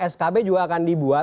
skb juga akan dibuat